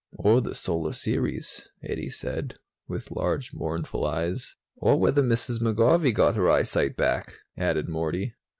"Or the Solar Series," Eddie said, with large mournful eyes. "Or whether Mrs. McGarvey got her eyesight back," added Morty.